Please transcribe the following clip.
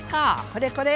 これこれ！